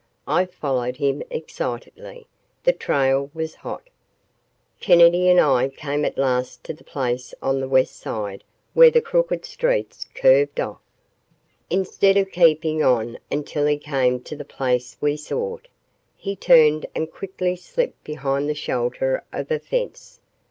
I followed him excitedly. The trail was hot. Kennedy and I came at last to the place on the West Side where the crooked streets curved off. Instead of keeping on until he came to the place we sought, he turned and quickly slipped behind the shelter of a fence.